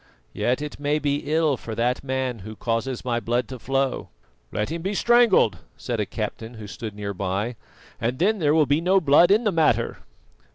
Yet it may be ill for that man who causes my blood to flow." "Let him be strangled," said a captain who stood near by, "and then there will be no blood in the matter."